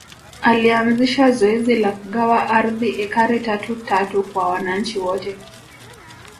Alanzisha zoezi la kugawa ardhi ekari tatu tatu kwa wananchi wote